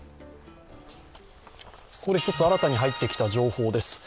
ここで１つ新たに入ってきた情報です。